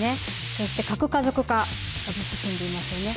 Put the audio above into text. そして核家族化も進んでいますよね。